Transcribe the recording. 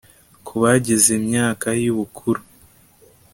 ku bageze myaka y'ubukuru